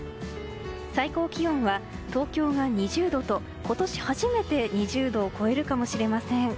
最高気温は東京が２０度と今年初めて２０度を超えるかもしれません。